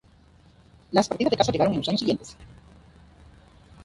Las partidas de caza llegaron en los años siguientes.